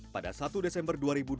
pada satu desember dua ribu dua puluh